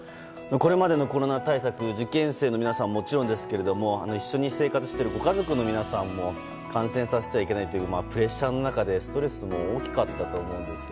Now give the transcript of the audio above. これまでのコロナ対策受験生の皆さんはもちろんですが一緒に生活しているご家族の皆さんも感染させてはいけないとプレッシャーの中でストレスが大きかったと思う。